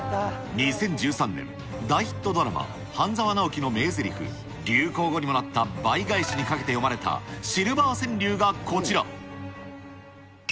２０１３年、大ヒットドラマ、半沢直樹の名ぜりふ、流行語にもなった倍返しにかけて詠まれたシルバー川柳がこちら。